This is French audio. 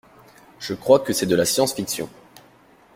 Je crois que c’est de la science-fiction.